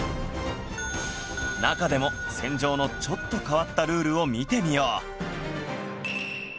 中でも戦場のちょっと変わったルールを見てみよう